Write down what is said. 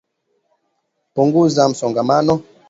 Punguza msongamano